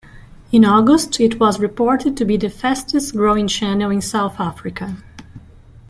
In August, it was reported to be the fastest-growing channel in South Africa.